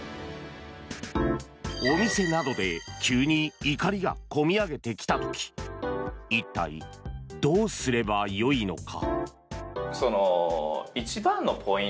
お店などで急に怒りが込み上げてきた時一体、どうすればよいのか。